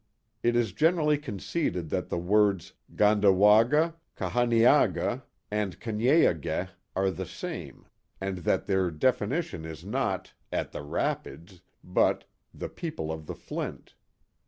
It is generally conceded that the words Gandawaga, Caha niaga, and Kanyea geh are the same, and that their definition is not " At the rapids," but " The people of the flint."